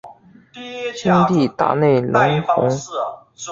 兄弟大内隆弘。